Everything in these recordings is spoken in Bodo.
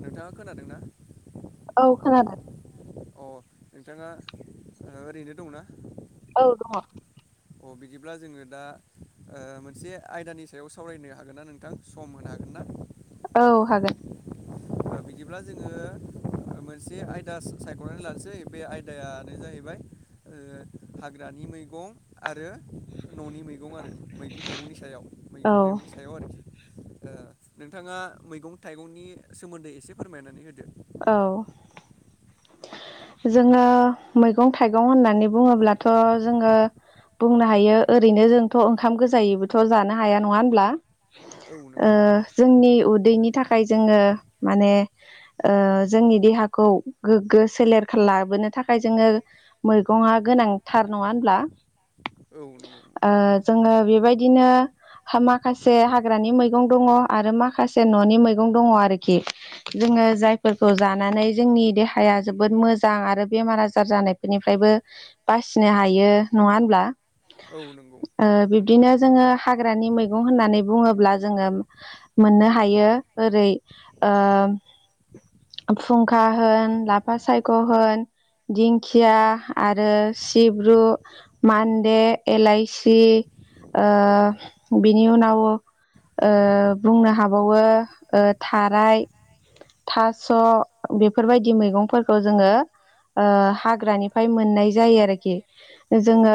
नोंथाङा खोनादों ना? औ खोनादों। अ नोंथाङा ओ ओरैनो दंना? औ दङ। अ बिदिब्ला जोङो दा ओ मोनसे आयदानि सायाव सावरायनो हागोन ना नोंथां सम होनो हागोन ना? औ हागोन। बिदिब्ला जोङो मोनसे आयदा सा सायख'नानै लानोसै बे आयदा यानो जाहैबाय ओ हाग्रानि मैगं आरो न'नि मैगं आरो मैगं थाइगंनि सायाव औ मैगं थाइगंनि सायाव आरोखि ओ नोंथाङा मैगं थाइगंनि सोमोन्दै एसे फोरमाय नानै होदो औ। [unintelligible] जोङो मैगं थाइगं होननानै बुङो ब्लाथ' जोङो बुंनो हायो ओरैनो जोंथ' ओंखाम गोजायै बोथ' जानो हाया नङा होनब्ला? औ ओ नंगौ जोंनि उदैनि थाखाय जोङो माने ओ जोंनि देहाखौ गोग्गो सोलेर खा लाबोनो थाखाय जोङो मैगङा गोनां थार नङा होनब्ला? औ नोंगौ। ओ जोङो बेबाय दिनो माखासे हाग्रानि मैगं दङ आरो माखासे न'नि मैगं दङ आरोखि जोङो जाय फोरखौ जानानै जोंनि देहा हाया जोबोद मोजां आरो बेमार आजार जानाय फोरनि फ्रायबो बासिनो हायो नङा होनब्ला? औ नोंगौ। बिदिनो जोङो हाग्रानि मैगं होननानै बुङोब्ला जोङो मोननो हायो ओरै ओ फुंखा होन लाफा सायख' होन दिंखिया आरो सिब्रु मान्दे एलाायसि औ ओ बेनि उनाव ओ बुंनो हाबावो ओ थाराय थास' बेफोर बायदि मैगं फोरखौ जोङो ओ हाग्रा निफ्राय मोननाय जायो आरोखि औ जोङो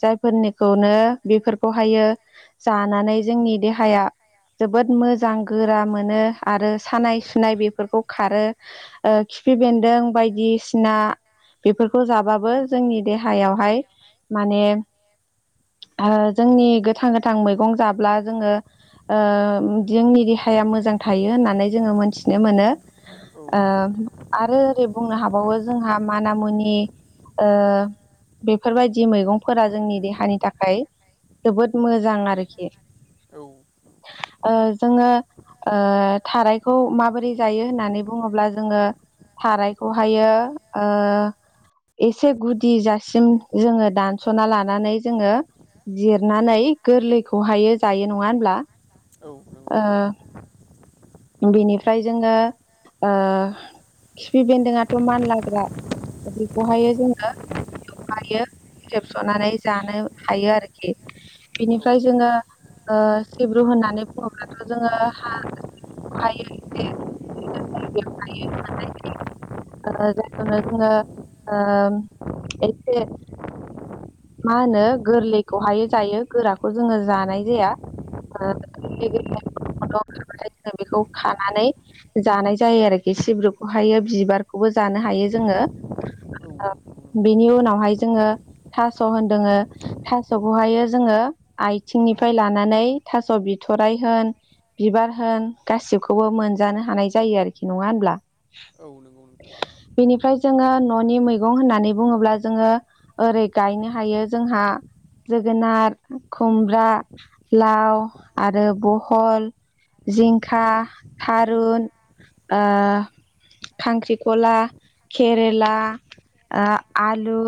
जाय फोरनि खौनो बेफोरखौ हायो जानानै जोंनि देहाया जोबोद मोजां गोरा मोनो आरो सानाय सुनाय बेफोरखौ खारो ओ खिफि बेन्दों बायदि सिना बेफोरखौ जाबोनो जोंनि देहायाव हाय माने ओ जोंनि गोथां गोथां मैगं जाब्ला जोङो ओ जोंनि देहाया मोजां थायो होननानै जोङो मोनथिनो मोनो। औ ओ आरो ओरै बुंनो हाबावो जोंहा माना मुनि ओ बेफोर बायदि मैगं फोरा जोंनि देहानि थाखाय जोबोद मोजां आरोखि। औ [unintelligible] ओ जोङो ओ थारायखौ माबोरै जायो होननानै बुङोब्ला जोङो थारायखौ हायो ओ एसे गुदि जासिम जोङो दानस'ना लानानै जोङो जिरनानै गोरलै खौहायो जायो नङा होनब्ला? औ नंगौ ओ नोंथां बिनिफ्राय जोङो ओ खिफि बेन्दोंआथ' मानलाग्रा बेखौहाय जोङो [unintelligible] खेबस'नानै जानो हायो आरोखि औ बिनिफ्राय जोङो ओ सिब्रु होननानै बुङोब्लाथ' जोङो हा [unintelligible] [inaudible] ओ जायखौनो जोंङो ओ एसे मा होनो गोरलैखौहाय जायो गोराखौ जोङो जानाय जाया। [unintelligible] [unintelligible] जोङो बेखौ खानानै जानाय जायो आरोखि सिब्रुखौहायो बिबारखौ बो जानो हायो जोंङो औ बेनि उनावहाय जोङो। थास' होनदोंङो थास'खौहाय जोङो आथिंनिफ्राय लानानै थास' बिथु बिथ'राइ होन बिबार होन गासिबखौबो मोनजानो हानाय जायो आरोखि नङा होनब्ला औ बेनिफ्राय जोङो न'नि मैगं होननानै बुङोब्ला जोङो ओरै गायनो हायो जोंहा जोगोनार खुमब्रा लाव आरो बहल जिंखा थारुन ओ खांख्रिखला केरेला आलु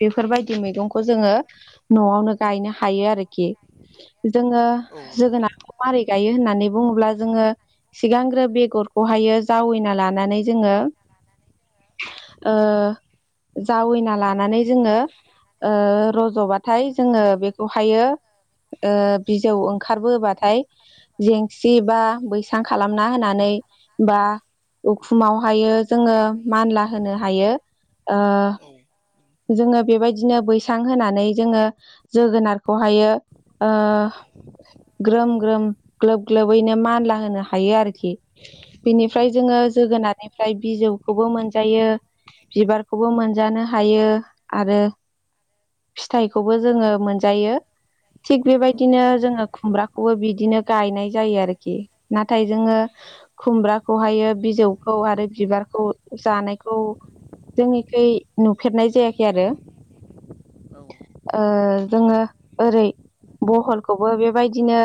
बेफोरबायदि। मैगंखौ जोङो न'आवनो गायनो हायो आरोखि। जोङो औ नंगौ नोंथां औ नंगौ नोंथां जोगोनारखौ मारै गायो होननानै बुङोब्ला जोङो सिगांग्रो बेगरखौहायो जावैना लानानै जोङो ओ जावैना लानानै जोङो ओ रज'बाथाय जोङो बेखौहायो ओ बिजौ ओंखारबोबाथाय जेंसि बा बैसां खालामना होनानै बा उखुमाव हायो जोङो मानला होनो हायो। ओ औ जोङो बेबाय दिनो बैसां होनानै जोङो जोगोनारखौहायो ओ ग्रोम ग्रोम ग्लोब ग्लोबैनो मानला होनो हायो आरोखि। औ बिनिफ्राय नंगौ जोङो नोंथां जोगोनारनिफ्राय बिजौखौबो मोनजायो बिबारखौबो मोनजानो हायो आरो फिथाइखौबो जोङो मोनजायो थिग औ बेबायदिनो नंगौ जोङो नोंथां खुमब्राखौ खौबो बिदिनो गायनाय जायो आरोखि नाथाय जोङो खुमब्राखौहायो बिजौखौ खौ आरो बिबारखौ जानायखौ जोंनिखै नुफेरनाय जायाखै आरो औ ओ जोङो ओरै बहलखौबो बेबायदिनो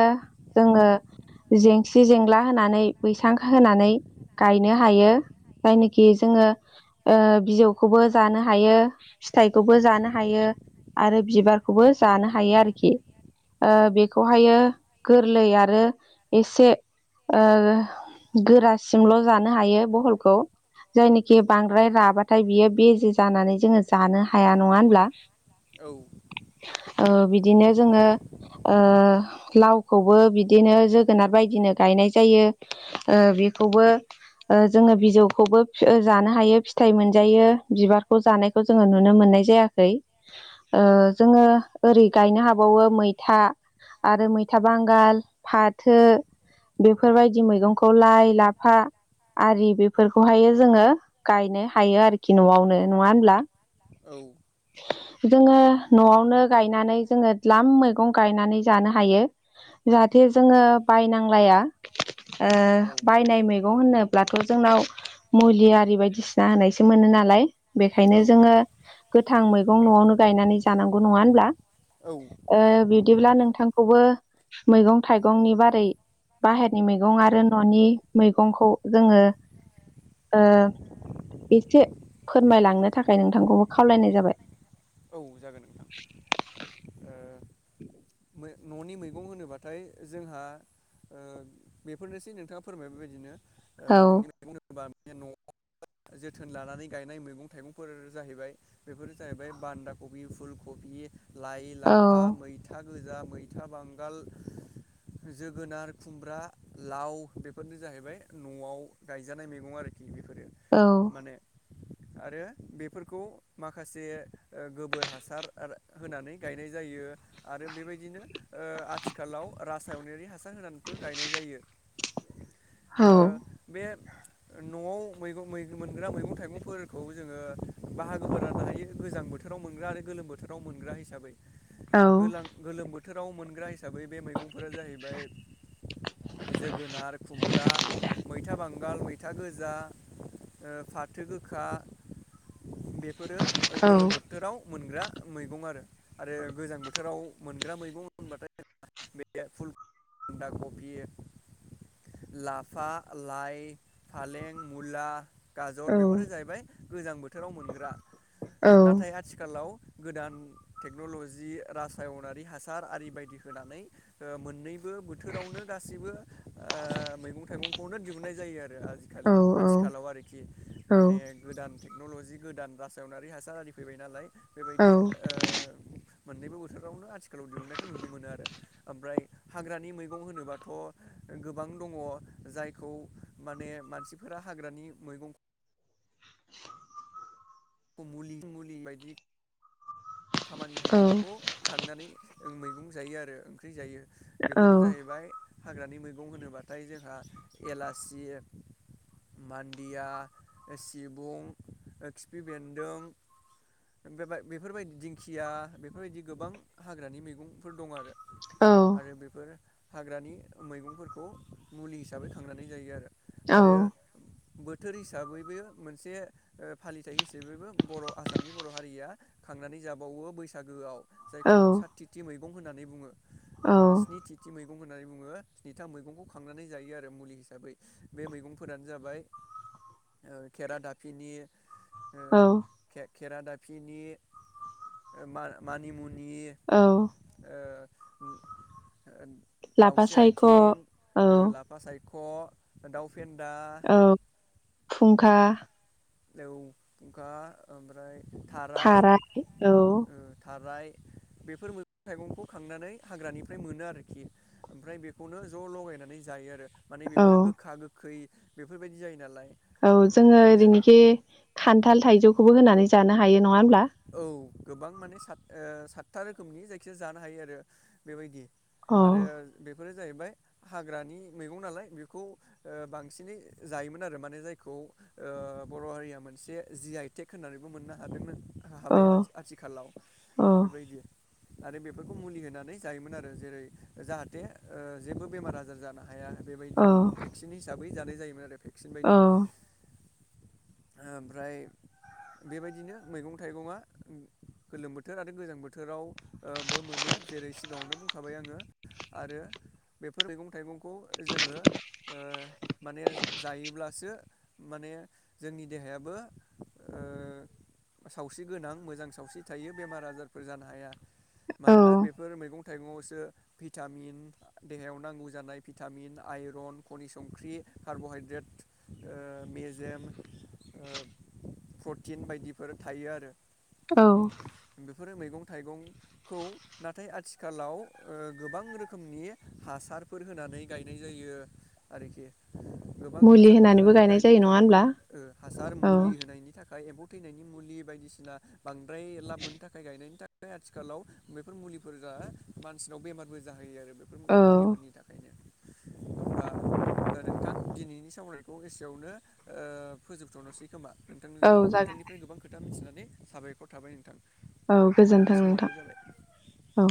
जोङो। जेंसि जेंला होनानै बैसां होनानै गायनो हायो। जायनोखि औ जोङो ओ बिजौखौबो जानो हायो फिथाइखौबो जाना हायो आरो बिबारखौबो जानो हायो आरोखि बेखौ हायो। गोरलै आरो एसे ओ गोरासिमल' जानो हायो बहलखौ औ जायनोखि बांद्राय राबाथाय बियो बेजे जानानै जोङो जानो हाया नङा होनब्ला। औ ओ बिदिनो जोङो ओ लावखौबो बिदिनो जोगोनाद बायदिनो गायनाय जायो ओ बि बिखौबो ओ जोङो बिजौखौबो फो जानो हायो फिथाइ मोनजायो बिबारखौ जानायखौ जोङो नुनो मोन है जायाखै ओ जोङो ओरै गायनो हाबावो मैथा आरो मैथा बांगाल फाथो बेफोरबायदि मैगंखौ लाइ लाफा आरि बेफोरखौहाय जोङो गायनो हायो आरोखि न'आवनो नङा होनब्ला। औ जोङो न'आवनो गायनानै जोङो ल्दाम मैगं गायनानै जानो हायो। जाहाथे जोङो बायनांलाया ओ बायनाय मैगं होनोब ब्लाथ' जोंना बेखायनो जोङो गोथां मैगं न'आवनो गायनानै जानांगौ नङा होनब्ला? ओ नंगौ बिदिब्ला नंगौ नोंथांखौबो मैगं थाइगंनि बारै बाहेरनि मैगं ओ एसे फोरमायलांनो थाखाय नोंथांखौबो खावलायनाय जाबाय? औ जागोन नोंथां [inaudible] मै न'नि मैगं होनोबाथाय जोंहा ओ बेफोरनोसै नोंथाङा फोरमाय बायदिनो ओ औ न'नि मैगं होनोबा बे न'वावनो जोथोन लानानै गायनाय मैगं थाइगंफोर जाहैबाय बेफोरो जाहैबाय बान्दा कबि फुल कबि लाइ औ लाफा मैथा गोजा मैथा बांगाल जोगोनार खुमब्रा लाव बेफोरनो जाहैबाय न'आव गायजानाय मैगं आरोखि बेफोरो औ [inaudible] आरो बेफोरखौ माखासे ओ गोबोर हासार आर होनानै गायनाय जायो। आरो बेबायदिनो ओ आथिखालाव रासायनारि हासार होनानैबो गायनाय जायो। औ ओ बे न'आव मैगं मै मैहोरा मोनग्रा मैगं थाइगंफोरखौ जोङो बाहागोबो राननो हायो गोजां बोथोराव मोनग्रा आरो गोलोम बोथोराव मोनग्रा हिसाबै औ गोलां गोलोम बोथोराव मोग्रा हिसाब दा बै बे मैगंफोरा जाहैबाय जोगोनार खुमब्रा मैथा बां गाल मैथा गोजा ओ फाथो गोखा बेफोरो औ गोलोम बोथोराव मोनग्रा मैगं आरो आरो गोजां बोथ थोराव मोनग्रा मैगं होनबाथाय बे फुल बान्दा कबि लाफा लाइ फालें मुला गाजर बेफोरो जाहैबाय गोजां बोथोराव मोनग्रा हो नाथाय औ आथिखालाव गोदान टेक्न'ल'जि रासायनारि हासार आरि बायदि होनानै मोननै बो बोथोरावनो गासिबो ओ मैगं थाइगंखौनो दिहुननाय जायो आरो। नो आजिखालि आथिखालाव आरोखि औ माने गोदान टे क्न'ल'जि गोदान रासायनारि हासार आरारि फैबाय नालाय बेबायदि ओ औ मोननैबो बोथोरावनो आथिखालाव दिहुननायखौ नुनो मोनो आरो ओमप्राय हाग्रानि मैगं होनोबाथ' गोबां दङ जायखौ माने मानसिफोरा हाग्रानि मैगं [inaudible] [inaudible] मुलि मुलि बायदि खामानि औ मैगंखौ खांनानै मैगं जायो आरो ओंख्रि जायो औ बेफोरो जाहैबाय। हाग्रानि मैगं होनोब्लाथाय जोंहा एलासि मान्दिया सिबुं खिफि बेन्दों। बेबा बेफोरबायदि दिंखिया बेफोरबायदि गोबां हाग्रानि मैगंफोर दं आरो। आरो बेफोर हाग्रानि मैगंफोरखौ मुलि हिसाबै खांनानै जायो आरो औ आरो बो बोथोर हिसाबैबो मोनसे ओ फालिथाय हिसैबो बर' आसामनि बर' हारिया खांनानै जाबावो बैसागोआव औ जायखौ साथिथि मैगं होननानै बुङो ओ स्निथि मैगं मैगं होन्नानै बुङो स्निथा मैगंखौ खांनानै जायो आरो मुलि हिसाबै बे मैगंफोरानो जाबाय ओ खेरा दाफिनि ओ औ खे-खेरादाफिनि मा- मानिमुनि औ ओ लाफा दाउस्रि सायख' औ आथिं औ ओ लाफा साइ ख' दाउ फेन्दा खुंखा औ खुंखा ओमफ्राय थाराय औ ओमफाय बेफोर मैगं थाइगंखौ खांनानै हाग्रानिफ्राय मोनो आरोखि ओमफ्राय बेखौनो ज' लगायनानै जायो आरो माने औ बेफोरो जोङो गोखा गोखै बेफोरबायदि जायो नालाय औ ओ जोङो बेखायनो ओरैनोखि खान्थाल थाइजौखौबो होनानै जानो हायो नङा होनब्ला औ गोबां माने सात ओ सातथा रोखोमनि जायखिजाया जानो हायो आरो बेबायदि औ आरो बेफोरो जाहैबाय हाग्रानि मैगं नालाय बेखौ ओ बांसिनै जायोमोन आरो माने जायखौ ओ बर' हारिया मोनसे जि आइटेक होननानैबो मोननो हादोंमोन औ हाबाय आथि-आथिखालाव औ बेबायदि आरो बेफोरखौ मुलि होनानै जायोमोन आरो जेरै जाहाथे ओ जेबो बेमार आजार जानो हा हाया बेबायदि भेक्सिन हिसाबै जानाय जायोमोन आरो भेक्सिन बायदि ओमफ्राय बेबायदिनो मैगं थाइगंआ गोलोम बोथोर आरो गोजां बोथोराव ओ बो मोनो जेरै सिगाङावनो बुंखाबाय आं आरो बेफोर मैगं थाइगंखौ जोङो ओ माने जायोब्लासो माने जोंनि देहायाबो ओ सावस्रि गोनां मोजां सावस्रि थायो बेमार आजारफोर जानो हाया मानोना बेफोर मैगं थाइगंआवसो भिटामिन देहायाव नांगौ जानाय भिटामिन आइरन खनि संख्रि कार्ब'हाइद्रेट ओ मेजेम ओ प्रटिन बायदि फोर थायो आरो औ बेफोरो मैगं थाइगंखौ नाथाय आथिखालाव ओ गोबां रोखोमनि हासारफोर होना नै गायनाय जायो आरोखि गोबां मुलि हासारफोर होनानैबो होनानै गायनाय जायो गायनायनि नङा थाखायनो होनब्ला? ओ हासार औ मुलि होनायनि थाखाय एम्फौ थैनायनि मुलि बायदिसिना बांद्राय लाब मोननो थाखाय गायनायनि थाखाय आथिखालाव बेफोर मुलिफोरा मानसिनाव बेमारबो जाहैयो आरो औ औ अब्ला नोंथां दिनैनि सावनायखौ एसेयावनो ओ फोजोबथ'नोसै खोमा औ नोंथांजों जागोन नोंथांनि खोथा मिथिनानै साबायखर थाबाय नोंथां औ मानोना गोजोन्थों समाबो नोंथां जाबाय। औ